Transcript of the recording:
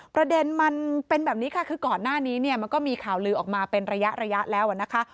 ประเด็นมันเป็นแบบนี้ค่ะคือก่อนหน้านี้เนี่ยมันก็มีข่าวลือออกมาเป็นระยะแล้วนะคะ